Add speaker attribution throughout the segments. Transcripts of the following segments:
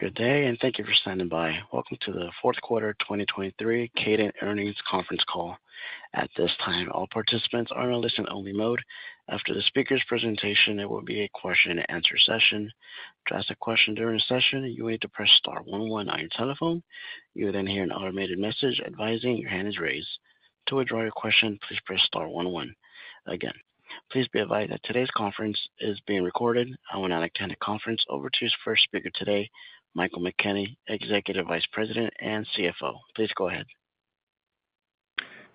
Speaker 1: Good day, and thank you for standing by. Welcome to the fourth quarter 2023 Kadant Earnings Conference Call. At this time, all participants are in a listen-only mode. After the speaker's presentation, it will be a question-and-answer session. To ask a question during the session, you will need to press star one one on your telephone. You will then hear an automated message advising your hand is raised. To withdraw your question, please press star one one. Again, please be advised that today's conference is being recorded. I will now extend the conference over to first speaker today, Michael McKenney, Executive Vice President and CFO. Please go ahead.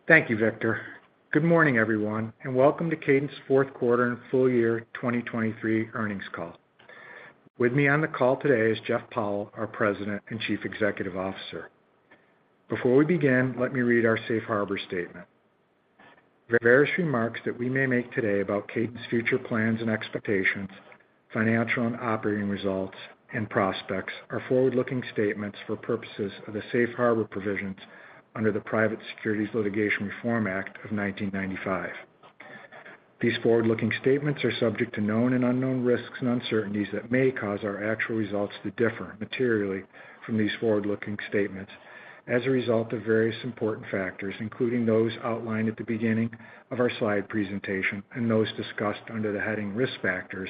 Speaker 2: Thank you, Victor. Good morning, everyone, and welcome to Kadant's fourth quarter and full year 2023 earnings call. With me on the call today is Jeff Powell, our President and Chief Executive Officer. Before we begin, let me read our Safe Harbor Statement. Various remarks that we may make today about Kadant's future plans and expectations, financial and operating results, and prospects are forward-looking statements for purposes of the Safe Harbor provisions under the Private Securities Litigation Reform Act of 1995. These forward-looking statements are subject to known and unknown risks and uncertainties that may cause our actual results to differ materially from these forward-looking statements as a result of various important factors, including those outlined at the beginning of our slide presentation and those discussed under the heading Risk Factors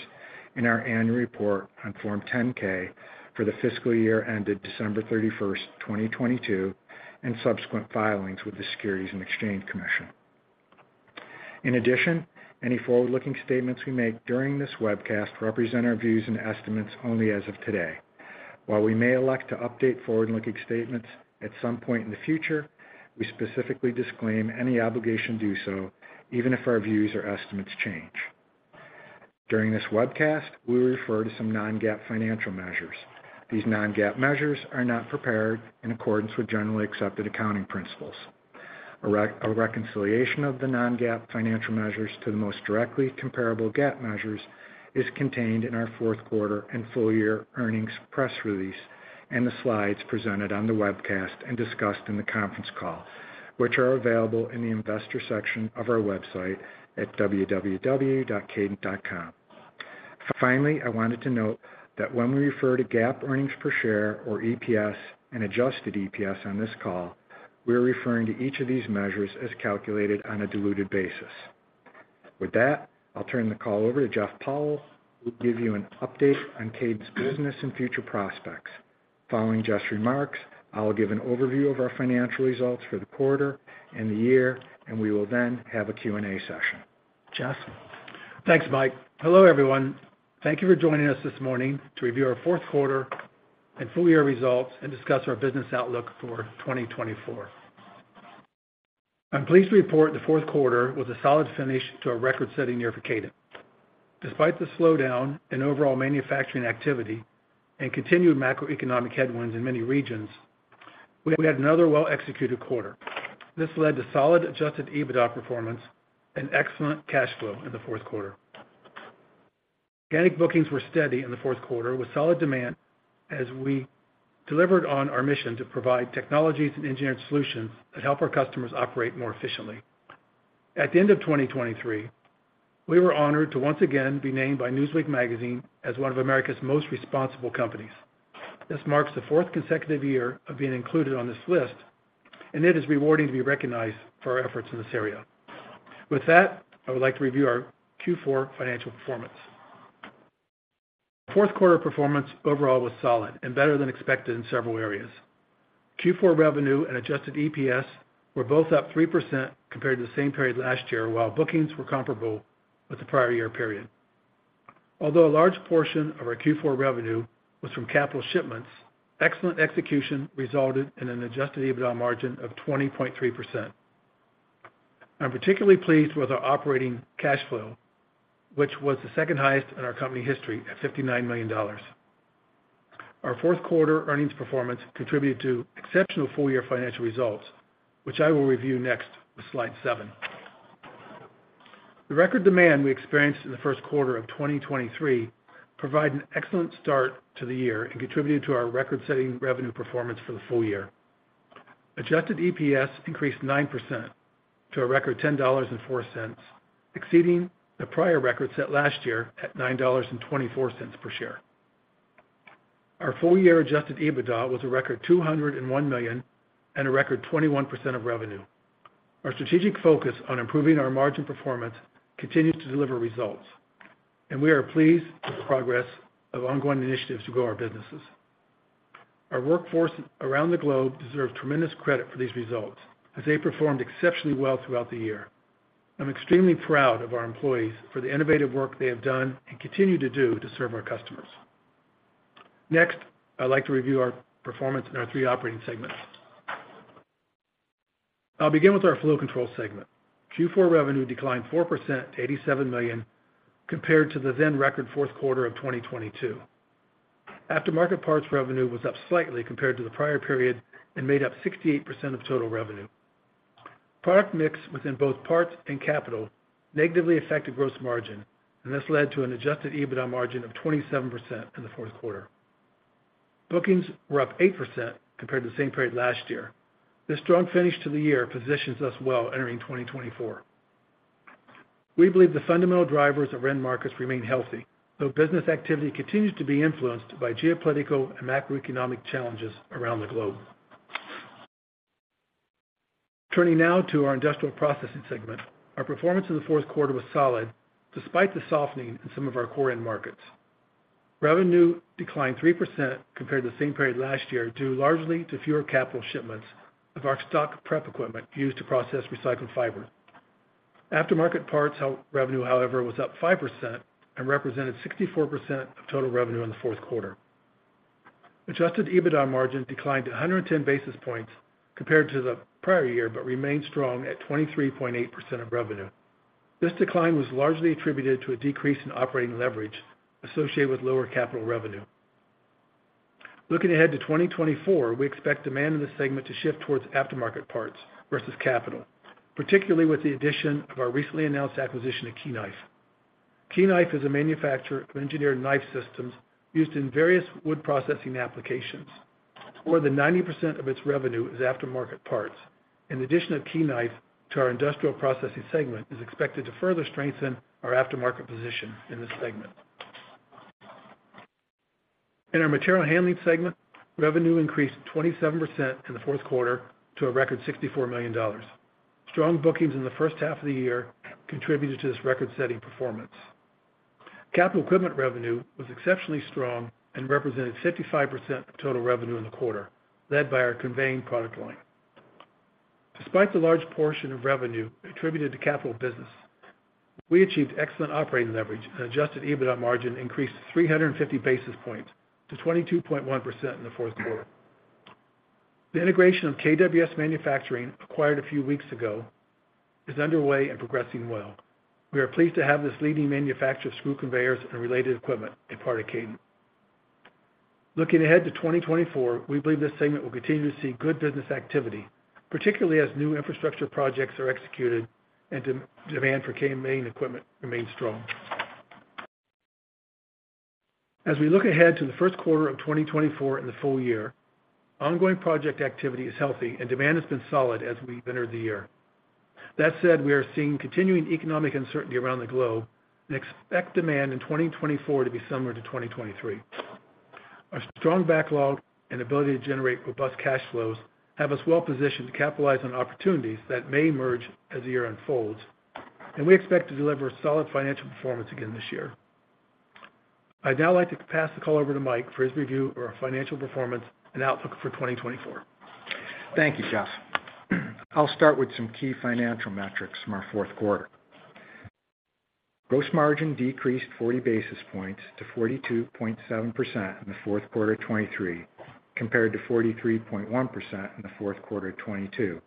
Speaker 2: in our annual report on Form 10-K for the fiscal year ended December 31st, 2022, and subsequent filings with the Securities and Exchange Commission. In addition, any forward-looking statements we make during this webcast represent our views and estimates only as of today. While we may elect to update forward-looking statements at some point in the future, we specifically disclaim any obligation to do so, even if our views or estimates change. During this webcast, we will refer to some non-GAAP financial measures. These non-GAAP measures are not prepared in accordance with Generally Accepted Accounting Principles. A reconciliation of the non-GAAP financial measures to the most directly comparable GAAP measures is contained in our fourth quarter and full year earnings press release and the slides presented on the webcast and discussed in the conference call, which are available in the investor section of our website at www.kadant.com. Finally, I wanted to note that when we refer to GAAP earnings per share or EPS and adjusted EPS on this call, we are referring to each of these measures as calculated on a diluted basis. With that, I'll turn the call over to Jeff Powell, who will give you an update on Kadant's business and future prospects. Following Jeff's remarks, I'll give an overview of our financial results for the quarter and the year, and we will then have a Q&A session. Jeff.
Speaker 3: Thanks, Mike. Hello, everyone. Thank you for joining us this morning to review our fourth quarter and full year results and discuss our business outlook for 2024. I'm pleased to report the fourth quarter was a solid finish to a record setting year for Kadant. Despite the slowdown in overall manufacturing activity and continued macroeconomic headwinds in many regions, we had another well-executed quarter. This led to solid adjusted EBITDA performance and excellent cash flow in the fourth quarter. Organic bookings were steady in the fourth quarter with solid demand as we delivered on our mission to provide technologies and engineered solutions that help our customers operate more efficiently. At the end of 2023, we were honored to once again be named by Newsweek magazine as one of America's Most Responsible Companies. This marks the fourth consecutive year of being included on this list, and it is rewarding to be recognized for our efforts in this area. With that, I would like to review our Q4 financial performance. Fourth quarter performance overall was solid and better than expected in several areas. Q4 revenue and adjusted EPS were both up 3% compared to the same period last year, while bookings were comparable with the prior year period. Although a large portion of our Q4 revenue was from capital shipments, excellent execution resulted in an adjusted EBITDA margin of 20.3%. I'm particularly pleased with our operating cash flow, which was the second highest in our company history at $59 million. Our fourth quarter earnings performance contributed to exceptional full year financial results, which I will review next with slide seven. The record demand we experienced in the first quarter of 2023 provided an excellent start to the year and contributed to our record-setting revenue performance for the full year. Adjusted EPS increased 9% to a record $10.04, exceeding the prior record set last year at $9.24 per share. Our full year adjusted EBITDA was a record $201 million and a record 21% of revenue. Our strategic focus on improving our margin performance continues to deliver results, and we are pleased with the progress of ongoing initiatives to grow our businesses. Our workforce around the globe deserves tremendous credit for these results as they performed exceptionally well throughout the year. I'm extremely proud of our employees for the innovative work they have done and continue to do to serve our customers. Next, I'd like to review our performance in our three operating segments. I'll begin with our Flow Control segment. Q4 revenue declined 4% to $87 million compared to the then-record fourth quarter of 2022. Aftermarket parts revenue was up slightly compared to the prior period and made up 68% of total revenue. Product mix within both parts and capital negatively affected gross margin, and this led to an adjusted EBITDA margin of 27% in the fourth quarter. Bookings were up 8% compared to the same period last year. This strong finish to the year positions us well entering 2024. We believe the fundamental drivers of end markets remain healthy, though business activity continues to be influenced by geopolitical and macroeconomic challenges around the globe. Turning now to our Industrial Processing segment, our performance in the fourth quarter was solid despite the softening in some of our core end markets. Revenue declined 3% compared to the same period last year due largely to fewer capital shipments of our stock prep equipment used to process recycled fibers. Aftermarket parts revenue, however, was up 5% and represented 64% of total revenue in the fourth quarter. Adjusted EBITDA margin declined 110 basis points compared to the prior year but remained strong at 23.8% of revenue. This decline was largely attributed to a decrease in operating leverage associated with lower capital revenue. Looking ahead to 2024, we expect demand in this segment to shift towards aftermarket parts versus capital, particularly with the addition of our recently announced acquisition of Key Knife. Key Knife is a manufacturer of engineered knife systems used in various wood processing applications. More than 90% of its revenue is aftermarket parts, and the addition of Key Knife to our Industrial Processing segment is expected to further strengthen our aftermarket position in this segment. In our Material Handling segment, revenue increased 27% in the fourth quarter to a record $64 million. Strong bookings in the first half of the year contributed to this record-setting performance. Capital equipment revenue was exceptionally strong and represented 55% of total revenue in the quarter, led by our conveying product line. Despite the large portion of revenue attributed to capital business, we achieved excellent operating leverage, and adjusted EBITDA margin increased 350 basis points to 22.1% in the fourth quarter. The integration of KWS Manufacturing, acquired a few weeks ago, is underway and progressing well. We are pleased to have this leading manufacturer of screw conveyors and related equipment a part of Kadant. Looking ahead to 2024, we believe this segment will continue to see good business activity, particularly as new infrastructure projects are executed and demand for conveying equipment remains strong. As we look ahead to the first quarter of 2024 and the full year, ongoing project activity is healthy, and demand has been solid as we've entered the year. That said, we are seeing continuing economic uncertainty around the globe and expect demand in 2024 to be similar to 2023. Our strong backlog and ability to generate robust cash flows have us well-positioned to capitalize on opportunities that may emerge as the year unfolds, and we expect to deliver solid financial performance again this year. I'd now like to pass the call over to Mike for his review of our financial performance and outlook for 2024.
Speaker 2: Thank you, Jeff. I'll start with some key financial metrics from our fourth quarter. Gross margin decreased 40 basis points to 42.7% in the fourth quarter 2023 compared to 43.1% in the fourth quarter 2022,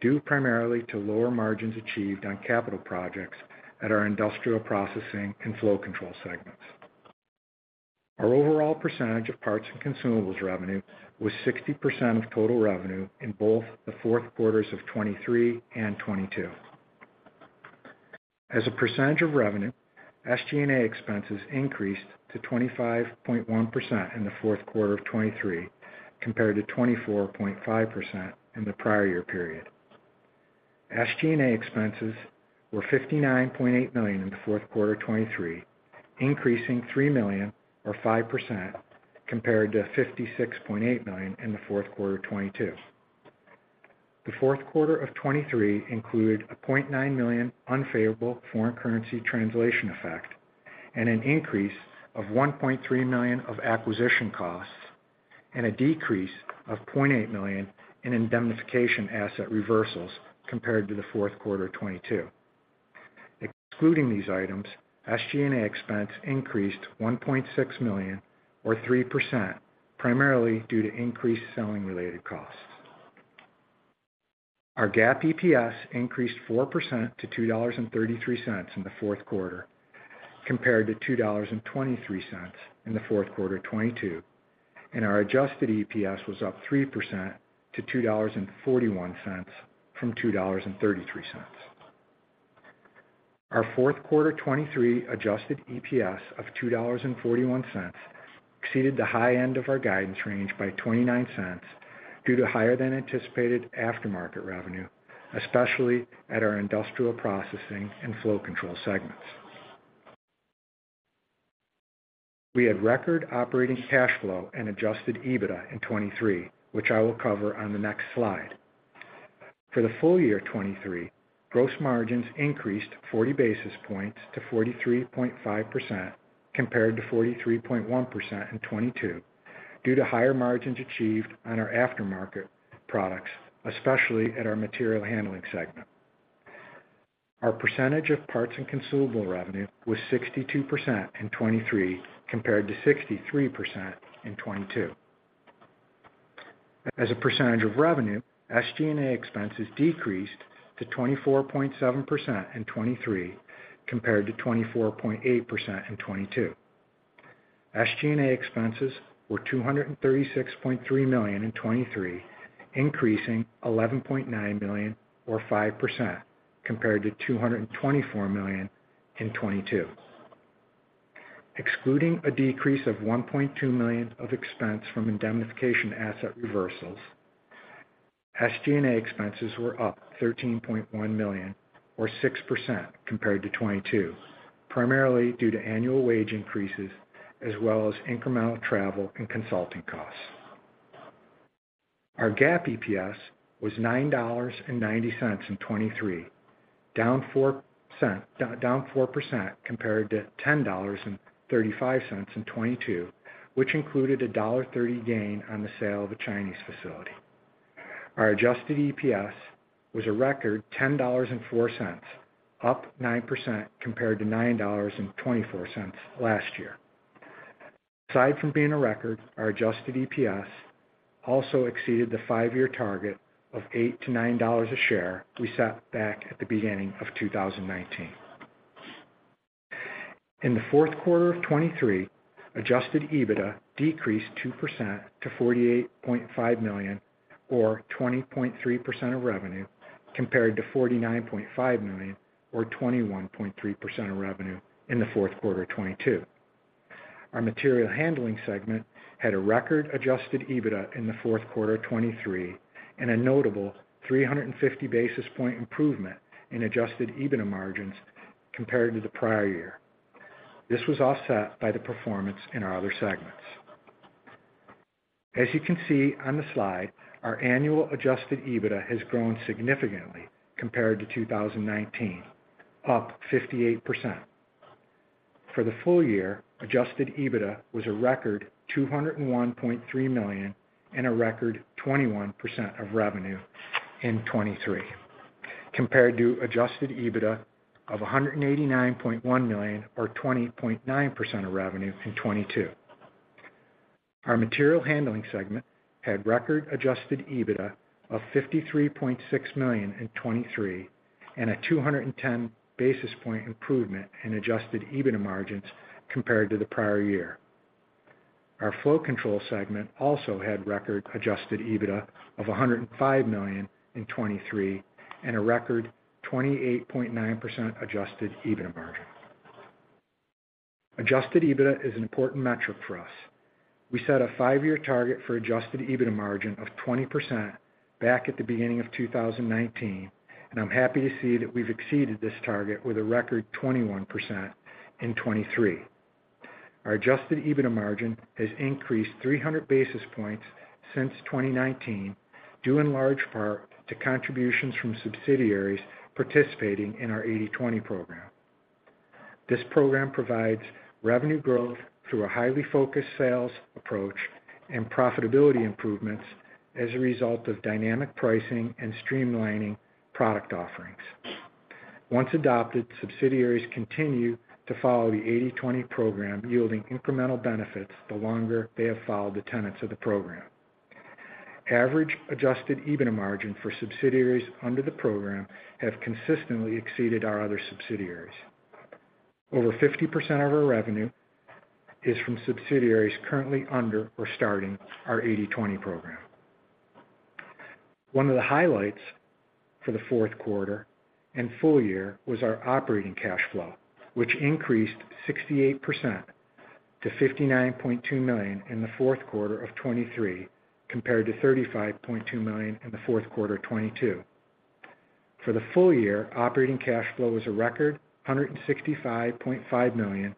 Speaker 2: due primarily to lower margins achieved on capital projects at our Industrial Processing and Flow Control segments. Our overall percentage of parts and consumables revenue was 60% of total revenue in both the fourth quarters of 2023 and 2022. As a percentage of revenue, SG&A expenses increased to 25.1% in the fourth quarter of 2023 compared to 24.5% in the prior year period. SG&A expenses were $59.8 million in the fourth quarter 2023, increasing $3 million or 5% compared to $56.8 million in the fourth quarter 2022. The fourth quarter of 2023 included a $0.9 million unfavorable foreign currency translation effect, and an increase of $1.3 million of acquisition costs, and a decrease of $0.8 million in indemnification asset reversals compared to the fourth quarter 2022. Excluding these items, SG&A expense increased $1.6 million or 3%, primarily due to increased selling-related costs. Our GAAP EPS increased 4% to $2.33 in the fourth quarter compared to $2.23 in the fourth quarter 2022, and our adjusted EPS was up 3% to $2.41 from $2.33. Our fourth quarter 2023 adjusted EPS of $2.41 exceeded the high end of our guidance range by $0.29 due to higher-than-anticipated aftermarket revenue, especially at our Industrial Processing and Flow Control segments. We had record operating cash flow and adjusted EBITDA in 2023, which I will cover on the next slide. For the full year 2023, gross margins increased 40 basis points to 43.5% compared to 43.1% in 2022 due to higher margins achieved on our aftermarket products, especially at our Material Handling segment. Our percentage of parts and consumable revenue was 62% in 2023 compared to 63% in 2022. As a percentage of revenue, SG&A expenses decreased to 24.7% in 2023 compared to 24.8% in 2022. SG&A expenses were $236.3 million in 2023, increasing $11.9 million or 5% compared to $224 million in 2022. Excluding a decrease of $1.2 million of expense from indemnification asset reversals, SG&A expenses were up $13.1 million or 6% compared to 2022, primarily due to annual wage increases as well as incremental travel and consulting costs. Our GAAP EPS was $9.90 in 2023, down 4% compared to $10.35 in 2022, which included a $1.30 gain on the sale of a Chinese facility. Our adjusted EPS was a record $10.04, up 9% compared to $9.24 last year. Aside from being a record, our adjusted EPS also exceeded the five-year target of $8-$9 a share we set back at the beginning of 2019. In the fourth quarter of 2023, adjusted EBITDA decreased 2% to $48.5 million or 20.3% of revenue compared to $49.5 million or 21.3% of revenue in the fourth quarter 2022. Our Material Handling segment had a record adjusted EBITDA in the fourth quarter 2023 and a notable 350 basis point improvement in adjusted EBITDA margins compared to the prior year. This was offset by the performance in our other segments. As you can see on the slide, our annual adjusted EBITDA has grown significantly compared to 2019, up 58%. For the full year, adjusted EBITDA was a record $201.3 million and a record 21% of revenue in 2023 compared to adjusted EBITDA of $189.1 million or 20.9% of revenue in 2022. Our Material Handling segment had record adjusted EBITDA of $53.6 million in 2023 and a 210 basis point improvement in adjusted EBITDA margins compared to the prior year. Our Flow Control segment also had record adjusted EBITDA of $105 million in 2023 and a record 28.9% adjusted EBITDA margin. Adjusted EBITDA is an important metric for us. We set a five-year target for adjusted EBITDA margin of 20% back at the beginning of 2019, and I'm happy to see that we've exceeded this target with a record 21% in 2023. Our adjusted EBITDA margin has increased 300 basis points since 2019, due in large part to contributions from subsidiaries participating in our 80/20 Program. This program provides revenue growth through a highly focused sales approach and profitability improvements as a result of dynamic pricing and streamlining product offerings. Once adopted, subsidiaries continue to follow the 80/20 Program, yielding incremental benefits the longer they have followed the tenets of the program. Average adjusted EBITDA margin for subsidiaries under the program have consistently exceeded our other subsidiaries. Over 50% of our revenue is from subsidiaries currently under or starting our 80/20 Program. One of the highlights for the fourth quarter and full year was our operating cash flow, which increased 68% to $59.2 million in the fourth quarter of 2023 compared to $35.2 million in the fourth quarter 2022. For the full year, operating cash flow was a record $165.5 million,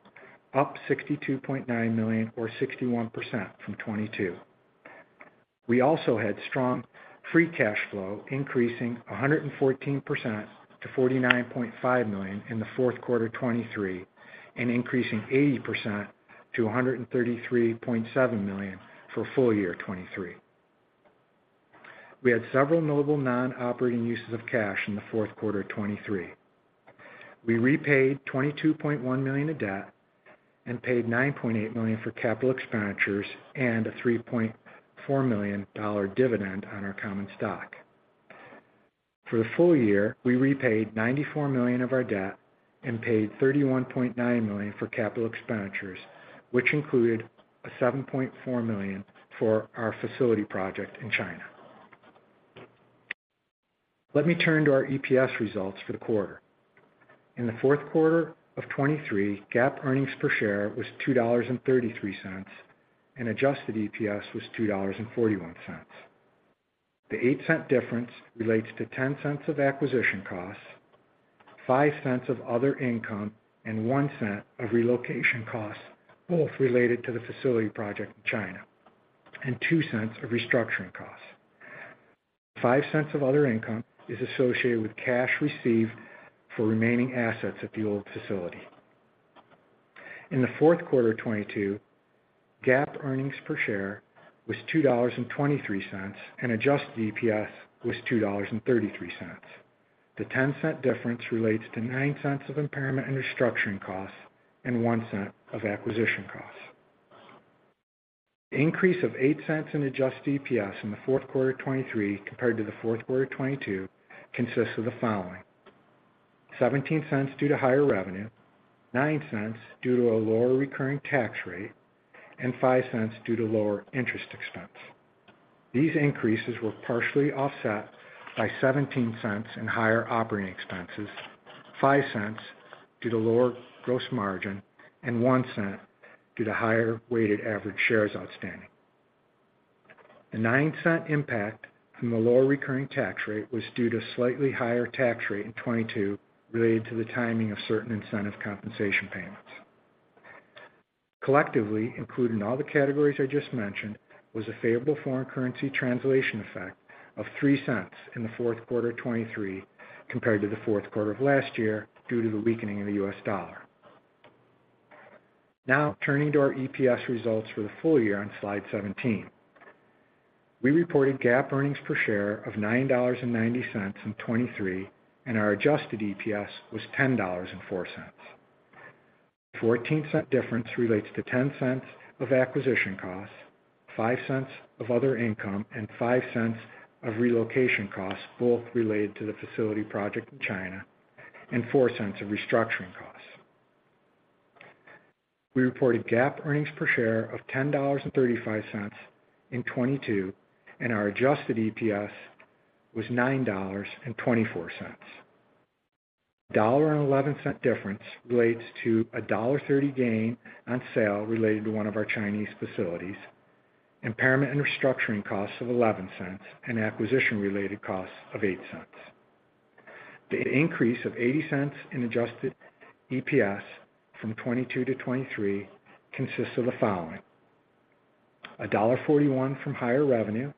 Speaker 2: up $62.9 million or 61% from 2022. We also had strong free cash flow increasing 114% to $49.5 million in the fourth quarter 2023 and increasing 80% to $133.7 million for full year 2023. We had several notable non-operating uses of cash in the fourth quarter 2023. We repaid $22.1 million of debt and paid $9.8 million for capital expenditures and a $3.4 million dividend on our common stock. For the full year, we repaid $94 million of our debt and paid $31.9 million for capital expenditures, which included a $7.4 million for our facility project in China. Let me turn to our EPS results for the quarter. In the fourth quarter of 2023, GAAP earnings per share was $2.33, and adjusted EPS was $2.41. The $0.08 difference relates to $0.10 of acquisition costs, $0.05 of other income, and $0.01 of relocation costs, both related to the facility project in China, and $0.02 of restructuring costs. The $0.05 of other income is associated with cash received for remaining assets at the old facility. In the fourth quarter of 2022, GAAP earnings per share was $2.23, and adjusted EPS was $2.33. The $0.10 difference relates to $0.09 of impairment and restructuring costs and $0.01 of acquisition costs. The increase of $0.08 in adjusted EPS in the fourth quarter of 2023 compared to the fourth quarter of 2022 consists of the following: $0.17 due to higher revenue, $0.09 due to a lower recurring tax rate, and $0.05 due to lower interest expense. These increases were partially offset by $0.17 in higher operating expenses, $0.05 due to lower gross margin, and $0.01 due to higher weighted average shares outstanding. The $0.09 impact from the lower recurring tax rate was due to a slightly higher tax rate in 2022 related to the timing of certain incentive compensation payments. Collectively, including all the categories I just mentioned, was a favorable foreign currency translation effect of $0.03 in the fourth quarter of 2023 compared to the fourth quarter of last year due to the weakening of the U.S. dollar. Now, turning to our EPS results for the full year on slide 17. We reported GAAP earnings per share of $9.90 in 2023, and our adjusted EPS was $10.04. The $0.14 difference relates to $0.10 of acquisition costs, $0.05 of other income, and $0.05 of relocation costs, both related to the facility project in China, and $0.04 of restructuring costs. We reported GAAP earnings per share of $10.35 in 2022, and our adjusted EPS was $9.24. The $1.11 difference relates to a $1.30 gain on sale related to one of our Chinese facilities, impairment and restructuring costs of $0.11, and acquisition-related costs of $0.08. The increase of $0.80 in adjusted EPS from 2022 to 2023 consists of the following: $1.41 from higher revenue,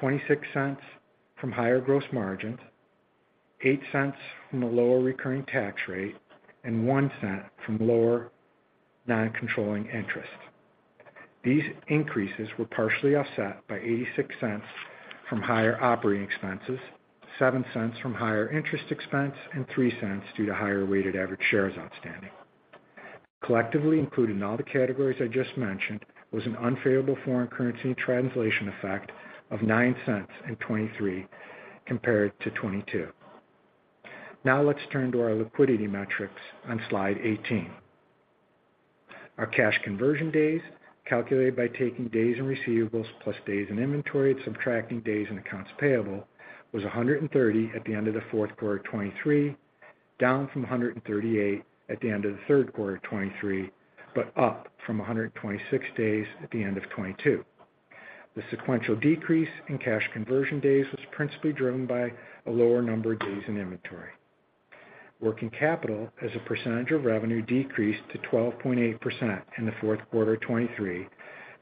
Speaker 2: $0.26 from higher gross margins, $0.08 from a lower recurring tax rate, and $0.01 from lower non-controlling interest. These increases were partially offset by $0.86 from higher operating expenses, $0.07 from higher interest expense, and $0.03 due to higher weighted average shares outstanding. Collectively, including all the categories I just mentioned, was an unfavorable foreign currency translation effect of $0.09 in 2023 compared to 2022. Now, let's turn to our liquidity metrics on slide 18. Our cash conversion days, calculated by taking days in receivables plus days in inventory and subtracting days in accounts payable, was 130 at the end of the fourth quarter of 2023, down from 138 at the end of the third quarter of 2023, but up from 126 days at the end of 2022. The sequential decrease in cash conversion days was principally driven by a lower number of days in inventory. Working capital as a percentage of revenue decreased to 12.8% in the fourth quarter of 2023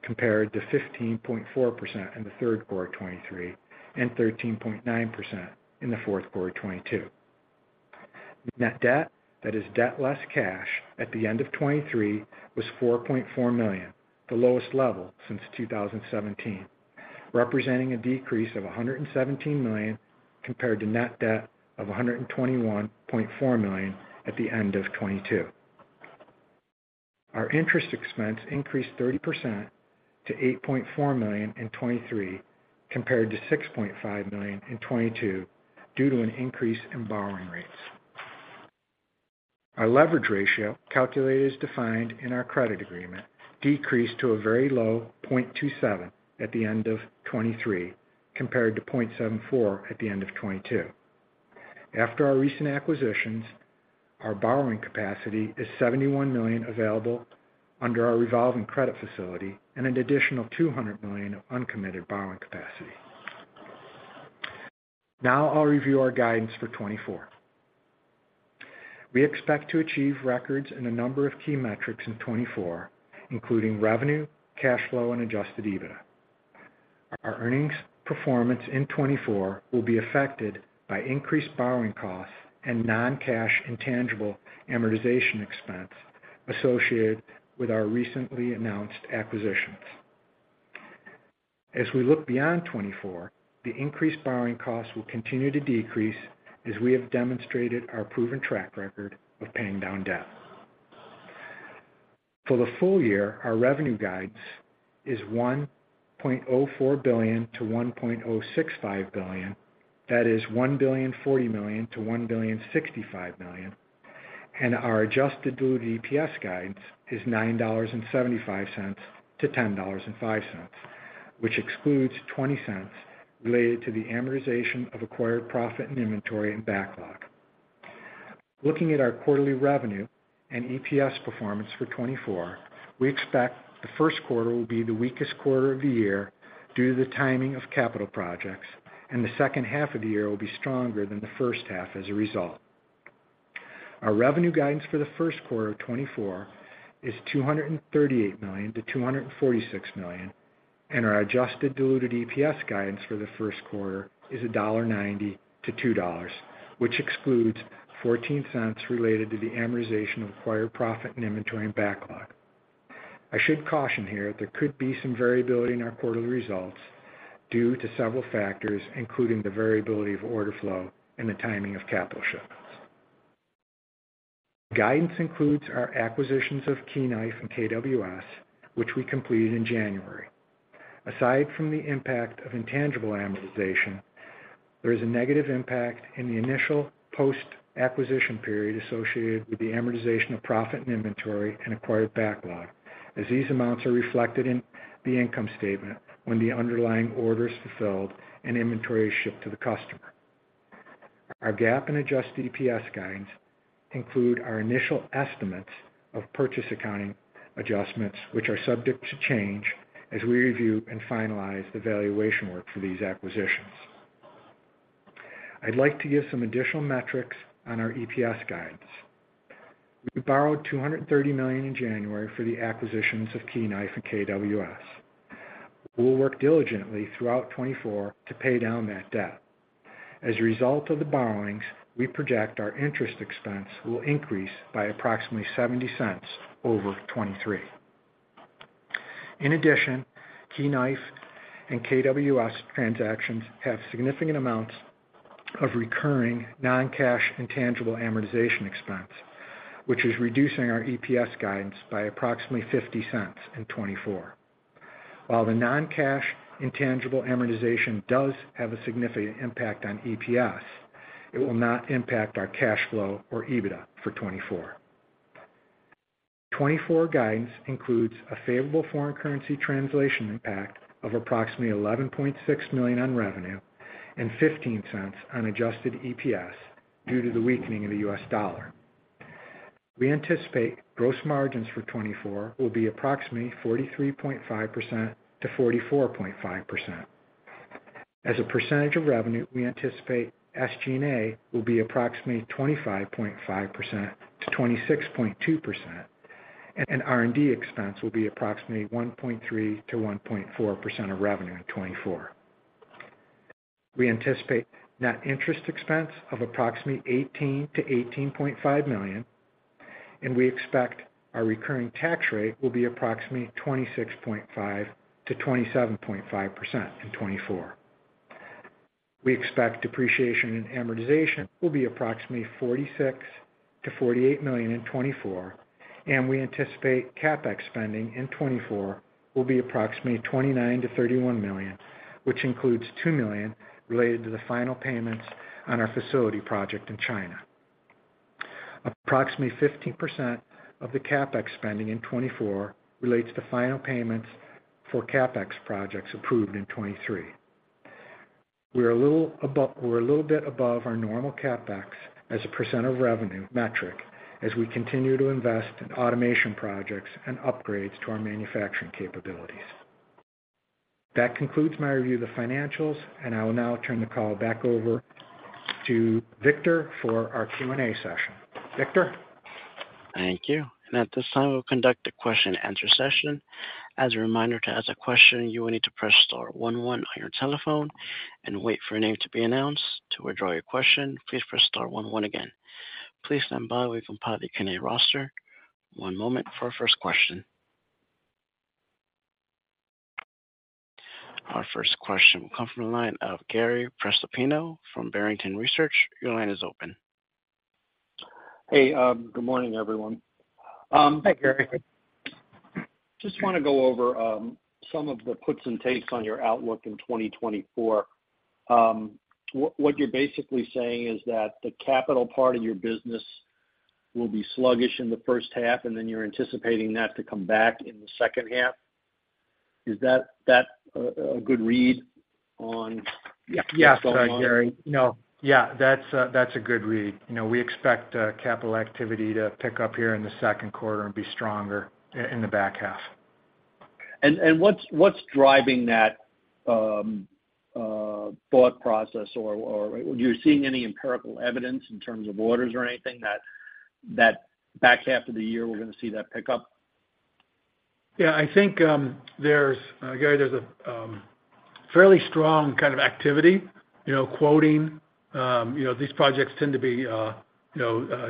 Speaker 2: compared to 15.4% in the third quarter of 2023 and 13.9% in the fourth quarter of 2022. Net debt, that is debt less cash, at the end of 2023 was $4.4 million, the lowest level since 2017, representing a decrease of $117 million compared to net debt of $121.4 million at the end of 2022. Our interest expense increased 30% to $8.4 million in 2023 compared to $6.5 million in 2022 due to an increase in borrowing rates. Our leverage ratio, calculated as defined in our credit agreement, decreased to a very low 0.27 at the end of 2023 compared to 0.74 at the end of 2022. After our recent acquisitions, our borrowing capacity is $71 million available under our revolving credit facility and an additional $200 million of uncommitted borrowing capacity. Now, I'll review our guidance for 2024. We expect to achieve records in a number of key metrics in 2024, including revenue, cash flow, and adjusted EBITDA. Our earnings performance in 2024 will be affected by increased borrowing costs and non-cash intangible amortization expense associated with our recently announced acquisitions. As we look beyond 2024, the increased borrowing costs will continue to decrease as we have demonstrated our proven track record of paying down debt. For the full year, our revenue guidance is $1.04 billion-$1.065 billion, that is $1.04 billion-$1.065 billion, and our adjusted diluted EPS guidance is $9.75-$10.05, which excludes $0.20 related to the amortization of acquired profit and inventory and backlog. Looking at our quarterly revenue and EPS performance for 2024, we expect the first quarter will be the weakest quarter of the year due to the timing of capital projects, and the second half of the year will be stronger than the first half as a result. Our revenue guidance for the first quarter of 2024 is $238 million-$246 million, and our adjusted diluted EPS guidance for the first quarter is $1.90-$2, which excludes $0.14 related to the amortization of acquired profit and inventory and backlog. I should caution here that there could be some variability in our quarterly results due to several factors, including the variability of order flow and the timing of capital shipments. Guidance includes our acquisitions of Key Knife and KWS, which we completed in January. Aside from the impact of intangible amortization, there is a negative impact in the initial post-acquisition period associated with the amortization of profit and inventory and acquired backlog, as these amounts are reflected in the income statement when the underlying order is fulfilled and inventory is shipped to the customer. Our GAAP and adjusted EPS guidance include our initial estimates of purchase accounting adjustments, which are subject to change as we review and finalize the valuation work for these acquisitions. I'd like to give some additional metrics on our EPS guidance. We borrowed $230 million in January for the acquisitions of Key Knife and KWS. We'll work diligently throughout 2024 to pay down that debt. As a result of the borrowings, we project our interest expense will increase by approximately $0.70 over 2023. In addition, Key Knife and KWS transactions have significant amounts of recurring non-cash intangible amortization expense, which is reducing our EPS guidance by approximately $0.50 in 2024. While the non-cash intangible amortization does have a significant impact on EPS, it will not impact our cash flow or EBITDA for 2024. 2024 guidance includes a favorable foreign currency translation impact of approximately $11.6 million on revenue and $0.15 on adjusted EPS due to the weakening of the U.S. dollar. We anticipate gross margins for 2024 will be approximately 43.5%-44.5%. As a percentage of revenue, we anticipate SG&A will be approximately 25.5%-26.2%, and R&D expense will be approximately 1.3%-1.4% of revenue in 2024. We anticipate net interest expense of approximately $18 million-$18.5 million, and we expect our recurring tax rate will be approximately 26.5%-27.5% in 2024. We expect depreciation and amortization will be approximately $46 million-$48 million in 2024, and we anticipate CapEx spending in 2024 will be approximately $29 million-$31 million, which includes $2 million related to the final payments on our facility project in China. Approximately 15% of the CapEx spending in 2024 relates to final payments for CapEx projects approved in 2023. We are a little bit above our normal CapEx as a percent of revenue metric as we continue to invest in automation projects and upgrades to our manufacturing capabilities. That concludes my review of the financials, and I will now turn the call back over to Victor for our Q&A session. Victor?
Speaker 1: Thank you. At this time, we'll conduct a question-and-answer session. As a reminder, to ask a question, you will need to press star one one on your telephone and wait for a name to be announced to withdraw your question. Please press star one one again. Please stand by while we compile the Q&A roster. One moment for our first question. Our first question will come from the line of Gary Prestopino from Barrington Research. Your line is open.
Speaker 4: Hey. Good morning, everyone.
Speaker 3: Hi, Gary.
Speaker 4: Just want to go over some of the puts and takes on your outlook in 2024. What you're basically saying is that the capital part of your business will be sluggish in the first half, and then you're anticipating that to come back in the second half. Is that a good read on what's going on?
Speaker 2: Yes, Gary. No. Yeah, that's a good read. We expect capital activity to pick up here in the second quarter and be stronger in the back half.
Speaker 4: What's driving that thought process, or are you seeing any empirical evidence in terms of orders or anything that back half of the year we're going to see that pick up?
Speaker 3: Yeah. I think, Gary, there's a fairly strong kind of activity quoting. These projects tend to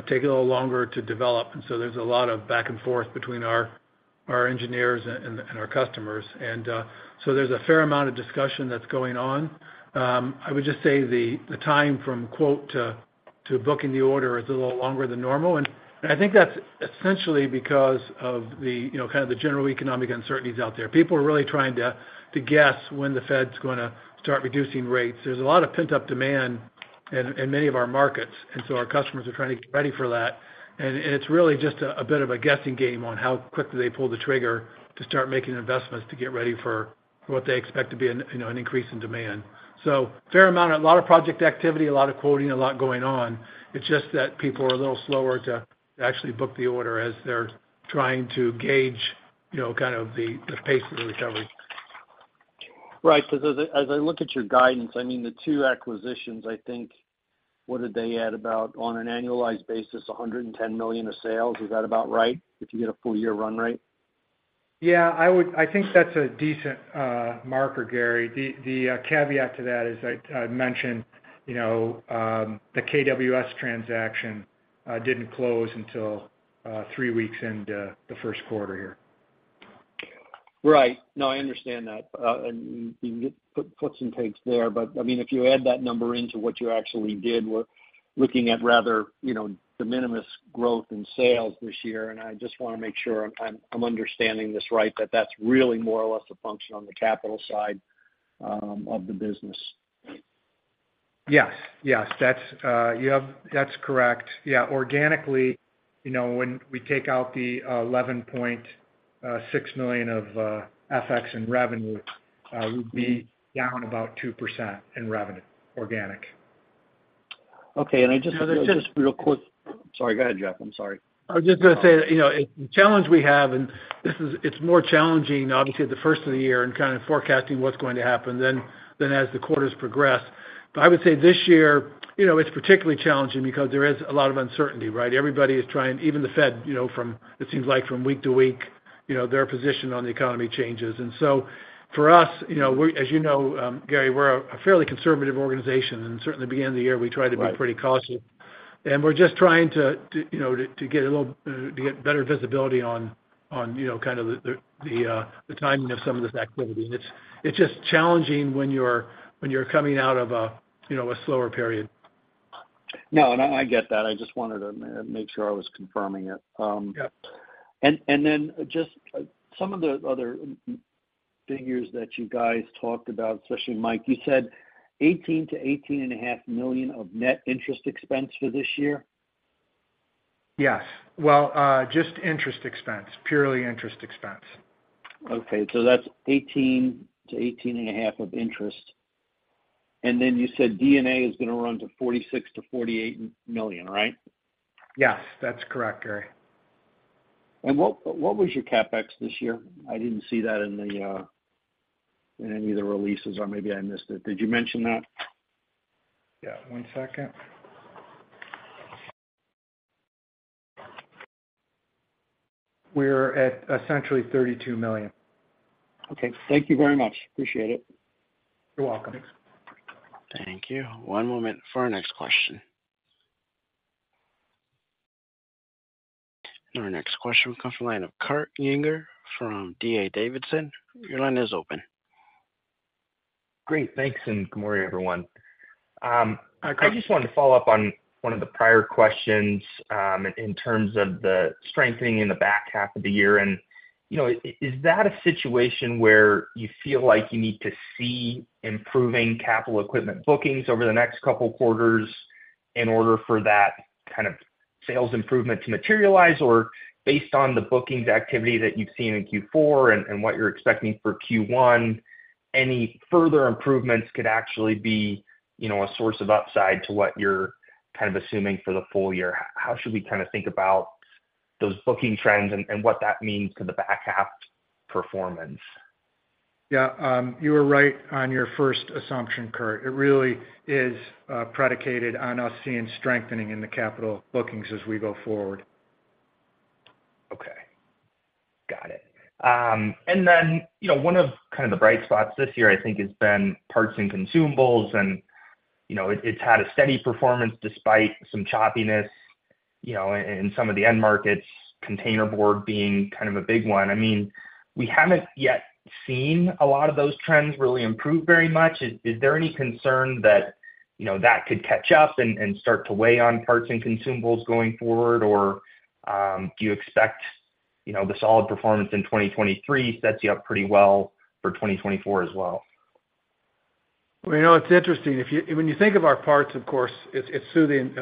Speaker 3: take a little longer to develop, and so there's a lot of back and forth between our engineers and our customers. And so there's a fair amount of discussion that's going on. I would just say the time from quote to booking the order is a little longer than normal. And I think that's essentially because of kind of the general economic uncertainties out there. People are really trying to guess when the Fed's going to start reducing rates. There's a lot of pent-up demand in many of our markets, and so our customers are trying to get ready for that. It's really just a bit of a guessing game on how quickly they pull the trigger to start making investments to get ready for what they expect to be an increase in demand. Fair amount of a lot of project activity, a lot of quoting, a lot going on. It's just that people are a little slower to actually book the order as they're trying to gauge kind of the pace of the recovery.
Speaker 4: Right. Because as I look at your guidance, I mean, the two acquisitions, I think what did they add about? On an annualized basis, $110 million of sales. Is that about right if you get a full-year run rate?
Speaker 2: Yeah. I think that's a decent marker, Gary. The caveat to that is, I mentioned, the KWS transaction didn't close until three weeks into the first quarter here.
Speaker 4: Right. No, I understand that. And you can get puts and takes there. But I mean, if you add that number into what you actually did, we're looking at rather de minimis growth in sales this year. And I just want to make sure I'm understanding this right, that that's really more or less a function on the capital side of the business.
Speaker 2: Yes. Yes. That's correct. Yeah. Organically, when we take out the $11.6 million of FX in revenue, we'd be down about 2% in revenue, organic.
Speaker 3: Okay. And I’ll just say real quick.
Speaker 4: Sorry. Go ahead, Jeff. I'm sorry.
Speaker 3: I was just going to say the challenge we have, and it's more challenging, obviously, at the first of the year and kind of forecasting what's going to happen than as the quarters progress. But I would say this year, it's particularly challenging because there is a lot of uncertainty, right? Everybody is trying, even the Fed, it seems like, from week to week, their position on the economy changes. And so for us, as you know, Gary, we're a fairly conservative organization. And certainly, at the beginning of the year, we try to be pretty cautious. And we're just trying to get a little better visibility on kind of the timing of some of this activity. And it's just challenging when you're coming out of a slower period.
Speaker 4: No. And I get that. I just wanted to make sure I was confirming it. And then just some of the other figures that you guys talked about, especially, Mike, you said $18 million-$18.5 million of net interest expense for this year?
Speaker 2: Yes. Well, just interest expense, purely interest expense.
Speaker 4: Okay. So that's $18 million-$18.5 million of interest. And then you said D&A is going to run $46 million-$48 million, right?
Speaker 2: Yes. That's correct, Gary.
Speaker 4: What was your CapEx this year? I didn't see that in any of the releases, or maybe I missed it. Did you mention that?
Speaker 2: Yeah. One second. We're at essentially $32 million.
Speaker 4: Okay. Thank you very much. Appreciate it.
Speaker 2: You're welcome.
Speaker 1: Thanks. Thank you. One moment for our next question. Our next question will come from the line of Kurt Yinger from D.A. Davidson. Your line is open.
Speaker 5: Great. Thanks. Good morning, everyone. I just wanted to follow up on one of the prior questions in terms of the strengthening in the back half of the year. Is that a situation where you feel like you need to see improving capital equipment bookings over the next couple of quarters in order for that kind of sales improvement to materialize? Based on the bookings activity that you've seen in Q4 and what you're expecting for Q1, any further improvements could actually be a source of upside to what you're kind of assuming for the full year. How should we kind of think about those booking trends and what that means to the back half performance?
Speaker 2: Yeah. You were right on your first assumption, Kurt. It really is predicated on us seeing strengthening in the capital bookings as we go forward.
Speaker 5: Okay. Got it. And then one of kind of the bright spots this year, I think, has been parts and consumables. And it's had a steady performance despite some choppiness in some of the end markets, containerboard being kind of a big one. I mean, we haven't yet seen a lot of those trends really improve very much. Is there any concern that that could catch up and start to weigh on parts and consumables going forward? Or do you expect the solid performance in 2023 sets you up pretty well for 2024 as well?
Speaker 3: Well, it's interesting. When you think of our parts, of course, it's soothing.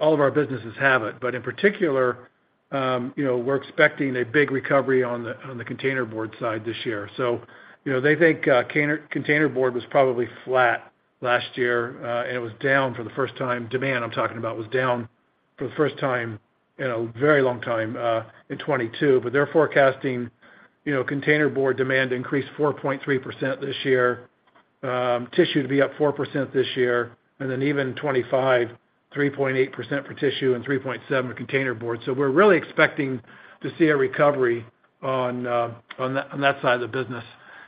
Speaker 3: All of our businesses have it. But in particular, we're expecting a big recovery on the containerboard side this year. So they think containerboard was probably flat last year, and it was down for the first time demand, I'm talking about, was down for the first time in a very long time in 2022. But they're forecasting containerboard demand to increase 4.3% this year, tissue to be up 4% this year, and then even 2025, 3.8% for tissue and 3.7% for containerboard. So we're really expecting to see a recovery on that side of the business.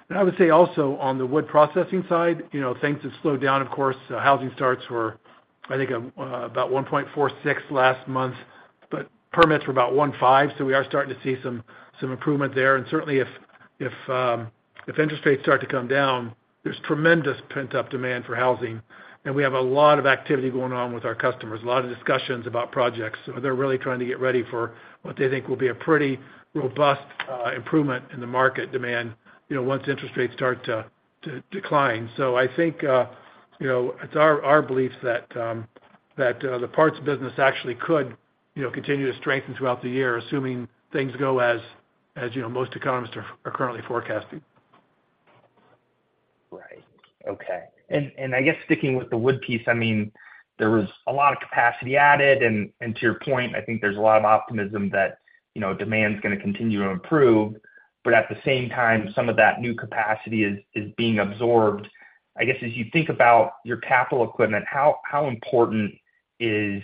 Speaker 3: And I would say also on the wood processing side, things have slowed down. Of course, housing starts were, I think, about 1.46% last month, but permits were about 1.5%. We are starting to see some improvement there. Certainly, if interest rates start to come down, there's tremendous pent-up demand for housing. We have a lot of activity going on with our customers, a lot of discussions about projects. They're really trying to get ready for what they think will be a pretty robust improvement in the market demand once interest rates start to decline. I think it's our belief that the parts business actually could continue to strengthen throughout the year, assuming things go as most economists are currently forecasting.
Speaker 5: Right. Okay. And I guess sticking with the wood piece, I mean, there was a lot of capacity added. And to your point, I think there's a lot of optimism that demand's going to continue to improve. But at the same time, some of that new capacity is being absorbed. I guess as you think about your capital equipment, how important is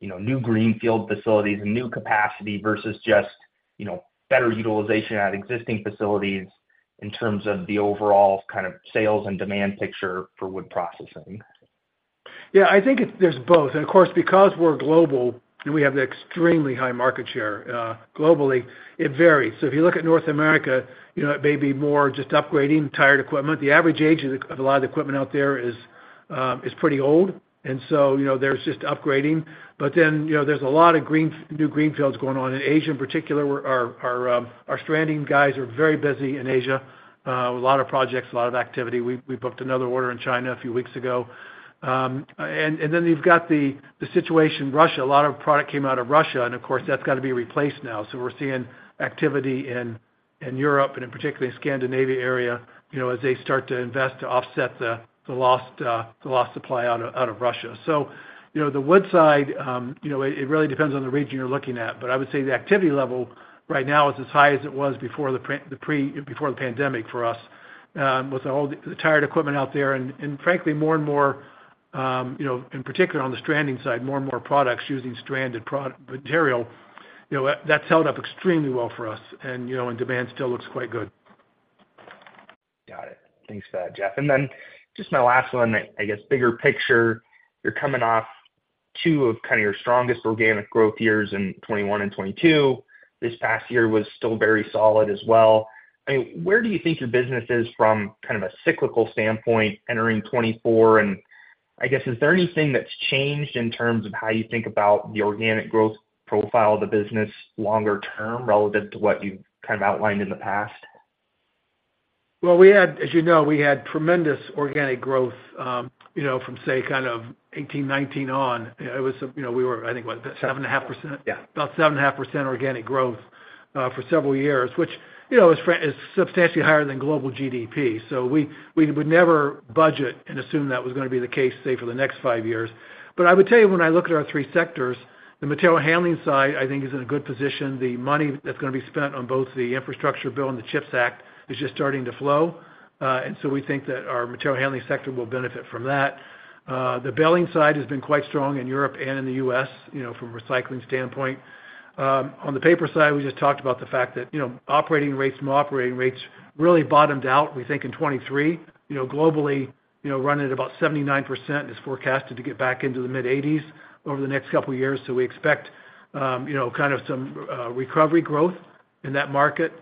Speaker 5: new greenfield facilities and new capacity versus just better utilization at existing facilities in terms of the overall kind of sales and demand picture for wood processing?
Speaker 3: Yeah. I think there's both. And of course, because we're global and we have an extremely high market share globally, it varies. So if you look at North America, it may be more just upgrading tired equipment. The average age of a lot of the equipment out there is pretty old. And so there's just upgrading. But then there's a lot of new greenfields going on. In Asia, in particular, our stranding guys are very busy in Asia with a lot of projects, a lot of activity. We booked another order in China a few weeks ago. And then you've got the situation in Russia. A lot of product came out of Russia. And of course, that's got to be replaced now. So we're seeing activity in Europe and in particular, in the Scandinavia area as they start to invest to offset the lost supply out of Russia. So the wood side, it really depends on the region you're looking at. But I would say the activity level right now is as high as it was before the pandemic for us with the tired equipment out there. And frankly, more and more in particular, on the stranding side, more and more products using stranded material, that's held up extremely well for us. And demand still looks quite good.
Speaker 5: Got it. Thanks for that, Jeff. And then just my last one, I guess, bigger picture, you're coming off two of kind of your strongest organic growth years in 2021 and 2022. This past year was still very solid as well. I mean, where do you think your business is from kind of a cyclical standpoint entering 2024? And I guess, is there anything that's changed in terms of how you think about the organic growth profile of the business longer term relative to what you've kind of outlined in the past?
Speaker 3: Well, as you know, we had tremendous organic growth from, say, kind of 2018, 2019 on. We were, I think, what, 7.5%? About 7.5% organic growth for several years, which is substantially higher than global GDP. So we would never budget and assume that was going to be the case, say, for the next five years. But I would tell you, when I look at our three sectors, the Material Handling side, I think, is in a good position. The money that's going to be spent on both the infrastructure bill and the CHIPS Act is just starting to flow. And so we think that our Material Handling sector will benefit from that. The baling side has been quite strong in Europe and in the U.S. from a recycling standpoint. On the paper side, we just talked about the fact that operating rates and operating rates really bottomed out, we think, in 2023. Globally, running at about 79% is forecasted to get back into the mid-80s over the next couple of years. So we expect kind of some recovery growth in that market.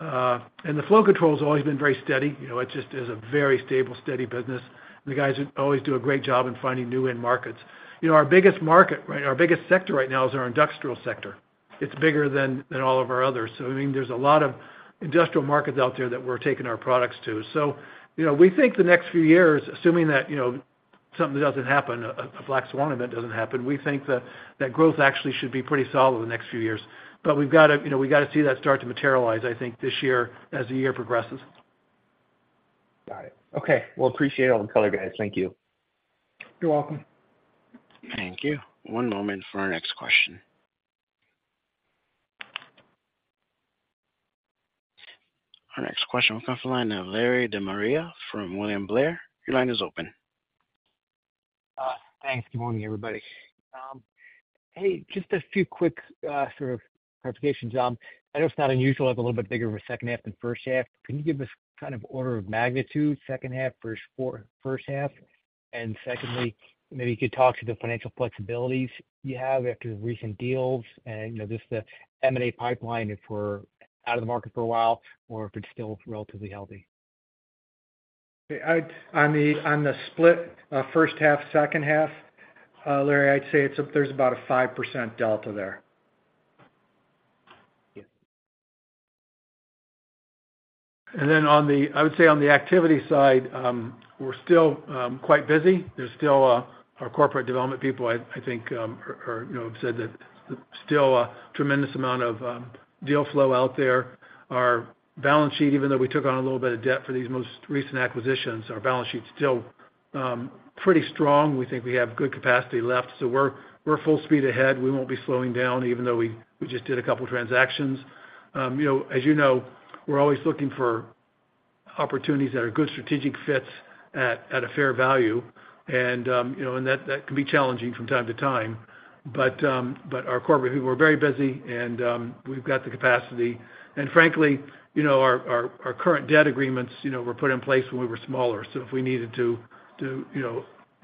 Speaker 3: And the Flow Control has always been very steady. It just is a very stable, steady business. And the guys always do a great job in finding new end markets. Our biggest market, right, our biggest sector right now is our industrial sector. It's bigger than all of our others. So I mean, there's a lot of industrial markets out there that we're taking our products to. So, we think the next few years, assuming that something doesn't happen, a black swan event doesn't happen, we think that growth actually should be pretty solid the next few years. But we've got to see that start to materialize, I think, this year as the year progresses.
Speaker 5: Got it. Okay. Well, appreciate it on the color, guys. Thank you.
Speaker 3: You're welcome.
Speaker 1: Thank you. One moment for our next question. Our next question. We're coming from the line of Larry De Maria from William Blair. Your line is open.
Speaker 6: Thanks. Good morning, everybody. Hey, just a few quick sort of clarifications. I know it's not unusual. I have a little bit bigger of a second half than first half. Can you give us kind of order of magnitude, second half, first half? And secondly, maybe you could talk to the financial flexibilities you have after the recent deals and just the M&A pipeline if we're out of the market for a while or if it's still relatively healthy.
Speaker 2: On the split, first half, second half, Larry, I'd say there's about a 5% delta there.
Speaker 3: And then I would say on the activity side, we're still quite busy. Our corporate development people, I think, have said that still a tremendous amount of deal flow out there. Our balance sheet, even though we took on a little bit of debt for these most recent acquisitions, our balance sheet's still pretty strong. We think we have good capacity left. So we're full speed ahead. We won't be slowing down even though we just did a couple of transactions. As you know, we're always looking for opportunities that are good strategic fits at a fair value. And that can be challenging from time to time. But our corporate people are very busy, and we've got the capacity. And frankly, our current debt agreements were put in place when we were smaller. So if we needed to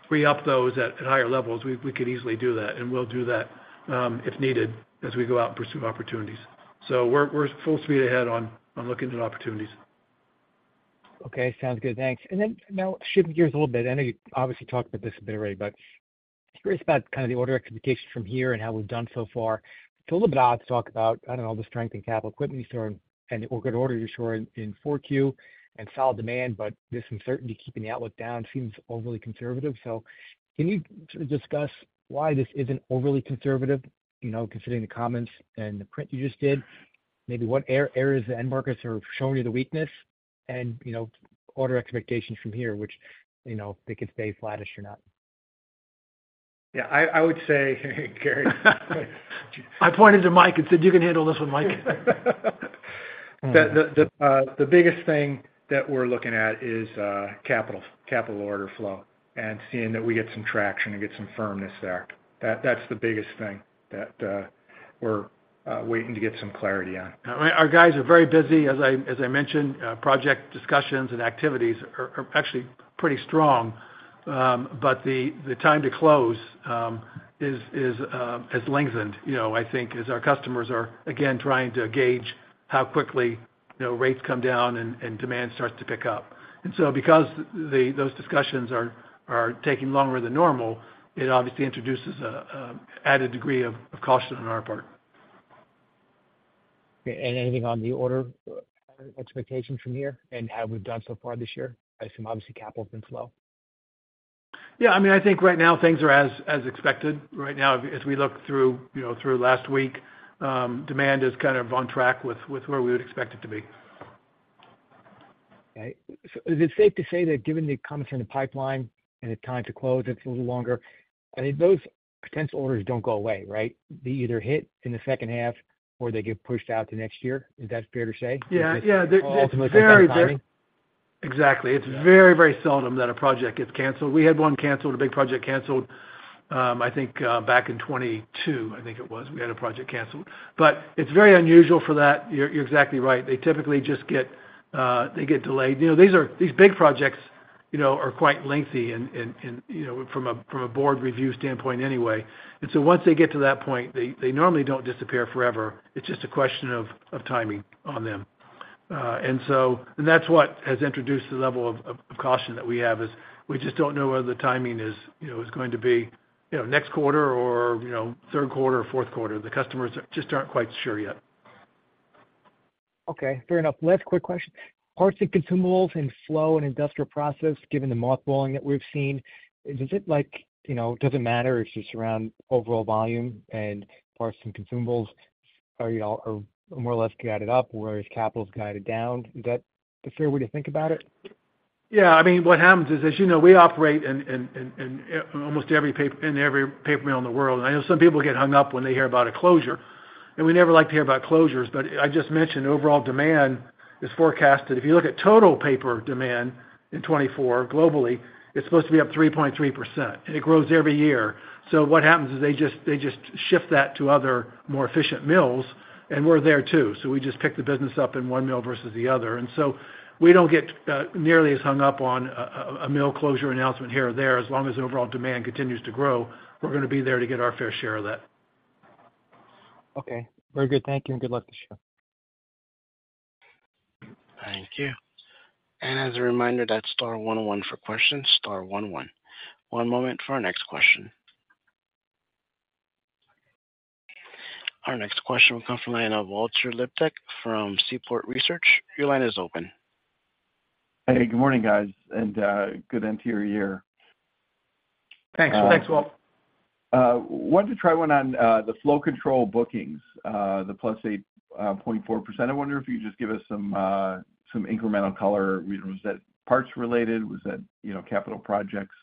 Speaker 3: free up those at higher levels, we could easily do that. We'll do that if needed as we go out and pursue opportunities. We're full speed ahead on looking at opportunities.
Speaker 6: Okay. Sounds good. Thanks. Now shifting gears a little bit. I know you obviously talked about this a bit already, but curious about kind of the order of expectations from here and how we've done so far. It's a little bit odd to talk about, I don't know, the strength in capital equipment you saw and the good order you saw in 4Q and solid demand, but this uncertainty keeping the outlook down seems overly conservative. Can you sort of discuss why this isn't overly conservative considering the comments and the print you just did? Maybe what areas the end markets are showing you the weakness and order expectations from here, which they could stay flattish or not?
Speaker 2: Yeah. I would say, Gary.
Speaker 3: I pointed to Mike and said, "You can handle this one, Mike."
Speaker 2: The biggest thing that we're looking at is capital, capital order flow, and seeing that we get some traction and get some firmness there. That's the biggest thing that we're waiting to get some clarity on.
Speaker 3: Our guys are very busy. As I mentioned, project discussions and activities are actually pretty strong. The time to close has lengthened, I think, as our customers are, again, trying to gauge how quickly rates come down and demand starts to pick up. Because those discussions are taking longer than normal, it obviously introduces an added degree of caution on our part.
Speaker 6: Okay. Anything on the order expectations from here and how we've done so far this year? I assume, obviously, capital's been slow.
Speaker 3: Yeah. I mean, I think right now, things are as expected. Right now, as we look through last week, demand is kind of on track with where we would expect it to be.
Speaker 6: Okay. So is it safe to say that given the comments on the pipeline and the time to close, it's a little longer, I mean, those potential orders don't go away, right? They either hit in the second half or they get pushed out to next year. Is that fair to say?
Speaker 3: Yeah. Yeah. It's very rare.
Speaker 6: Ultimately, it's not happening.
Speaker 3: Exactly. It's very, very seldom that a project gets canceled. We had one canceled, a big project canceled, I think, back in 2022, I think it was. We had a project canceled. But it's very unusual for that. You're exactly right. They typically just get delayed. These big projects are quite lengthy from a board review standpoint anyway. And so once they get to that point, they normally don't disappear forever. It's just a question of timing on them. And that's what has introduced the level of caution that we have, is we just don't know where the timing is going to be, next quarter or third quarter or fourth quarter. The customers just aren't quite sure yet.
Speaker 6: Okay. Fair enough. Last quick question. Parts and consumables and flow and industrial process, given the mothballing that we've seen, does it matter if it's around overall volume and parts and consumables are more or less guided up, whereas capital's guided down? Is that a fair way to think about it?
Speaker 3: Yeah. I mean, what happens is, as you know, we operate in almost every paper mill in the world. And I know some people get hung up when they hear about a closure. And we never like to hear about closures. But I just mentioned overall demand is forecasted. If you look at total paper demand in 2024 globally, it's supposed to be up 3.3%. And it grows every year. So what happens is they just shift that to other, more efficient mills. And we're there too. So we just pick the business up in one mill versus the other. And so we don't get nearly as hung up on a mill closure announcement here or there. As long as overall demand continues to grow, we're going to be there to get our fair share of that.
Speaker 6: Okay. Very good. Thank you. Good luck this year.
Speaker 1: Thank you. And as a reminder, that's star one one for questions, star one one. One moment for our next question. Our next question will come from the line of Walter Liptak from Seaport Research. Your line is open.
Speaker 7: Hey. Good morning, guys. Good end to your year.
Speaker 3: Thanks. Thanks, Walt.
Speaker 7: I wanted to try one on the Flow Control bookings, the +8.4%. I wonder if you could just give us some incremental color. Was that parts-related? Was that capital projects,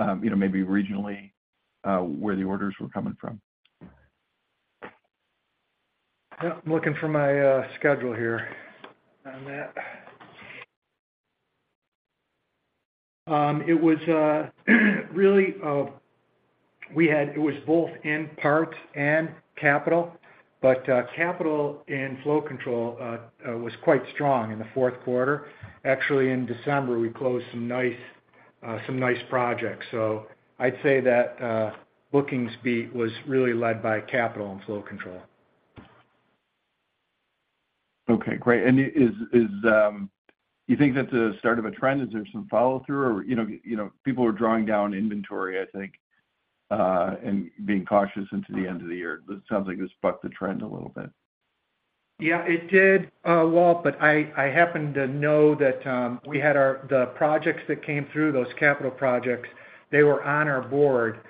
Speaker 7: maybe regionally, where the orders were coming from?
Speaker 2: Yeah. I'm looking for my schedule here on that. It was really both in parts and capital. But capital in Flow Control was quite strong in the fourth quarter. Actually, in December, we closed some nice projects. So I'd say that bookings beat was really led by capital and Flow Control.
Speaker 7: Okay. Great. Do you think that's the start of a trend? Is there some follow-through, or? People are drawing down inventory, I think, and being cautious into the end of the year. It sounds like this bucked the trend a little bit.
Speaker 2: Yeah. It did, Walt. But I happen to know that we had the projects that came through, those capital projects, they were on our board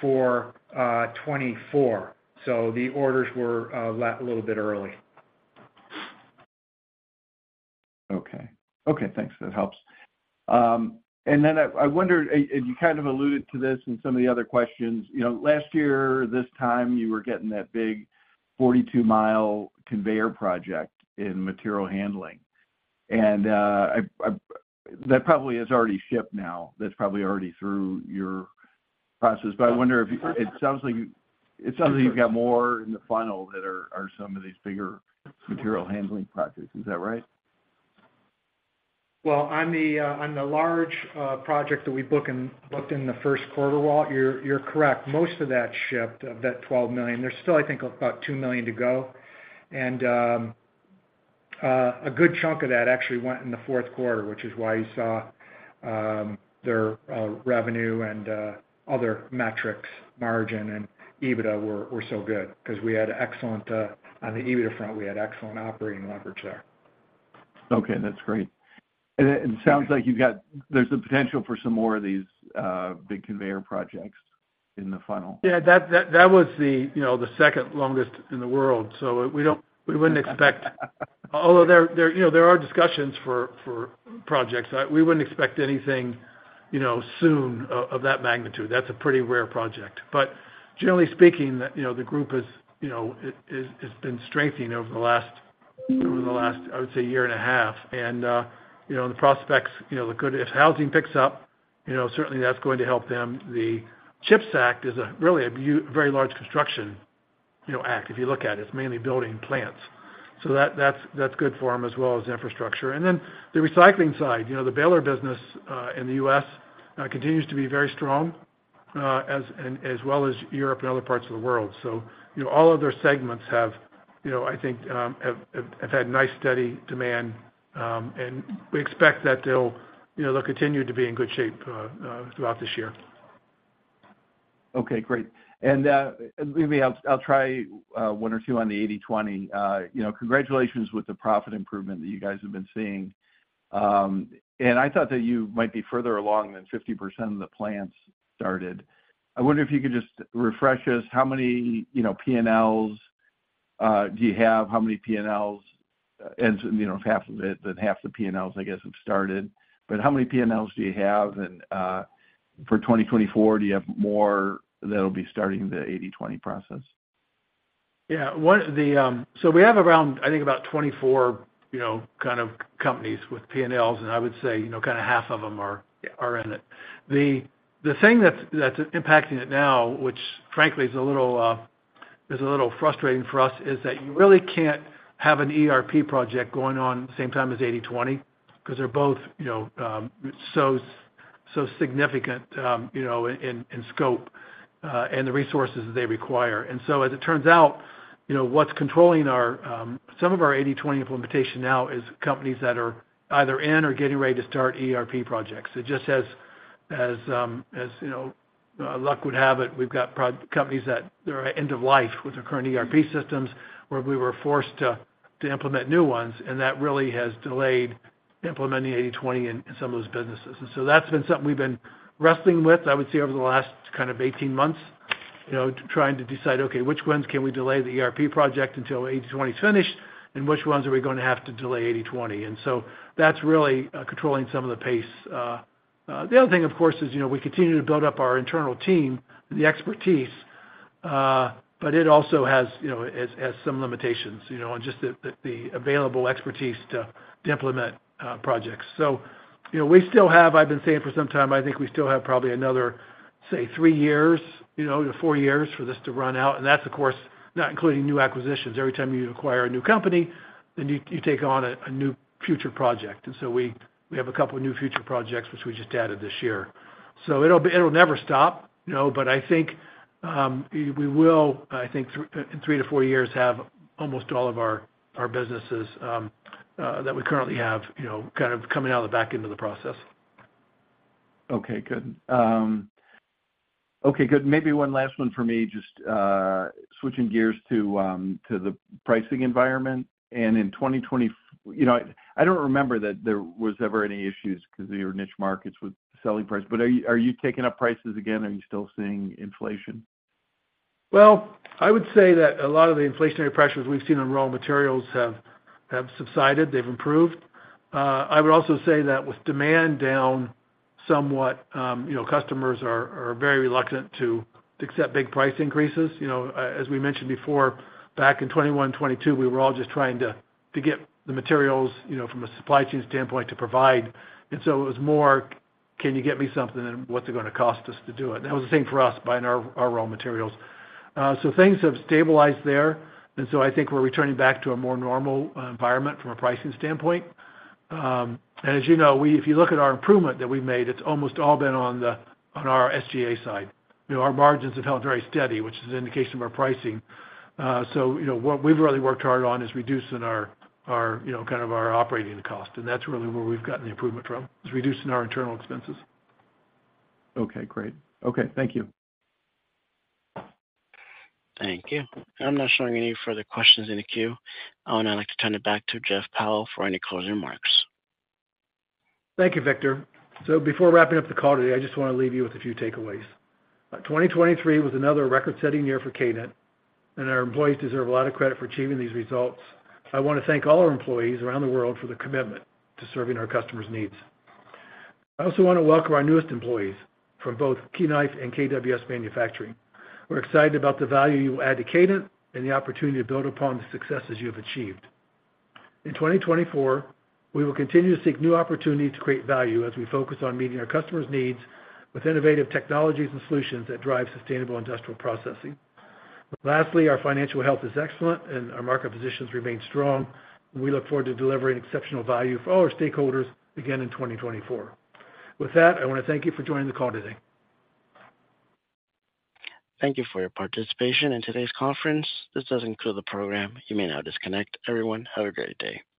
Speaker 2: for 2024. So the orders were a little bit early.
Speaker 7: Okay. Okay. Thanks. That helps. And then I wondered, and you kind of alluded to this in some of the other questions, last year, this time, you were getting that big $42 million conveyor project in Material Handling. And that probably has already shipped now. That's probably already through your process. But I wonder if it sounds like you've got more in the funnel that are some of these bigger Material Handling projects. Is that right?
Speaker 2: Well, on the large project that we booked in the first quarter, Walt, you're correct. Most of that shipped of that $12 million. There's still, I think, about $2 million to go. And a good chunk of that actually went in the fourth quarter, which is why you saw their revenue and other metrics, margin, and EBITDA were so good because we had excellent on the EBITDA front. We had excellent operating leverage there.
Speaker 7: Okay. That's great. It sounds like there's the potential for some more of these big conveyor projects in the funnel.
Speaker 3: Yeah. That was the second longest in the world. So we wouldn't expect, although there are discussions for projects, anything soon of that magnitude. That's a pretty rare project. But generally speaking, the group has been strengthening over the last, I would say, year and a half. And the prospects, the good if housing picks up, certainly, that's going to help them. The CHIPS Act is really a very large construction act. If you look at it, it's mainly building plants. So that's good for them as well as infrastructure. And then the recycling side, the baler business in the U.S. continues to be very strong as well as Europe and other parts of the world. So all of their segments have, I think, have had nice, steady demand. And we expect that they'll continue to be in good shape throughout this year.
Speaker 7: Okay. Great. And maybe I'll try one or two on the 80/20. Congratulations with the profit improvement that you guys have been seeing. And I thought that you might be further along than 50% of the plants started. I wonder if you could just refresh us. How many P&Ls do you have? How many P&Ls? And if half of it, then half the P&Ls, I guess, have started. But how many P&Ls do you have? And for 2024, do you have more that'll be starting the 80/20 process?
Speaker 3: Yeah. So we have around, I think, about 24 kind of companies with P&Ls. And I would say kind of half of them are in it. The thing that's impacting it now, which frankly is a little frustrating for us, is that you really can't have an ERP project going on at the same time as 80/20 because they're both so significant in scope and the resources that they require. And so as it turns out, what's controlling some of our 80/20 implementation now is companies that are either in or getting ready to start ERP projects. It just, as luck would have it, we've got companies that are at end of life with their current ERP systems where we were forced to implement new ones. And that really has delayed implementing 80/20 in some of those businesses. And so that's been something we've been wrestling with, I would say, over the last kind of 18 months, trying to decide, "Okay. Which ones can we delay the ERP project until 80/20 is finished? And which ones are we going to have to delay 80/20?" And so that's really controlling some of the pace. The other thing, of course, is we continue to build up our internal team and the expertise. But it also has some limitations on just the available expertise to implement projects. So we still have. I've been saying for some time, I think we still have probably another, say, three to four years for this to run out. And that's, of course, not including new acquisitions. Every time you acquire a new company, then you take on a new future project. We have a couple of new future projects, which we just added this year. It'll never stop. I think we will, I think, in three to four years, have almost all of our businesses that we currently have kind of coming out of the back end of the process.
Speaker 7: Okay. Good. Okay. Good. Maybe one last one for me, just switching gears to the pricing environment. In 2020, I don't remember that there was ever any issues because there were niche markets with selling price. But are you taking up prices again? Are you still seeing inflation?
Speaker 3: Well, I would say that a lot of the inflationary pressures we've seen on raw materials have subsided. They've improved. I would also say that with demand down somewhat, customers are very reluctant to accept big price increases. As we mentioned before, back in 2021, 2022, we were all just trying to get the materials from a supply chain standpoint to provide. And so it was more, "Can you get me something? And what's it going to cost us to do it?" And that was the same for us buying our raw materials. So things have stabilized there. And so I think we're returning back to a more normal environment from a pricing standpoint. And as you know, if you look at our improvement that we've made, it's almost all been on our SG&A side. Our margins have held very steady, which is an indication of our pricing. What we've really worked hard on is reducing kind of our operating cost. That's really where we've gotten the improvement from, is reducing our internal expenses.
Speaker 7: Okay. Great. Okay. Thank you.
Speaker 1: Thank you. I'm not showing any further questions in the queue. I'd like to turn it back to Jeff Powell for any closing remarks.
Speaker 3: Thank you, Victor. Before wrapping up the call today, I just want to leave you with a few takeaways. 2023 was another record-setting year for Kadant. Our employees deserve a lot of credit for achieving these results. I want to thank all our employees around the world for the commitment to serving our customers' needs. I also want to welcome our newest employees from both Key Knife and KWS Manufacturing. We're excited about the value you will add to Kadant and the opportunity to build upon the successes you have achieved. In 2024, we will continue to seek new opportunities to create value as we focus on meeting our customers' needs with innovative technologies and solutions that drive sustainable industrial processing. Lastly, our financial health is excellent. Our market positions remain strong. We look forward to delivering exceptional value for all our stakeholders again in 2024. With that, I want to thank you for joining the call today.
Speaker 1: Thank you for your participation in today's conference. This does conclude the program. You may now disconnect. Everyone, have a great day.